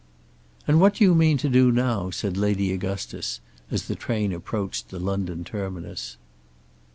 "And what do you mean to do now?" said Lady Augustus as the train approached the London terminus.